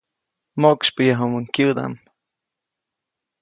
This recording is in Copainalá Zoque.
Moʼksypyäyajuʼumuŋ kyäʼdaʼm.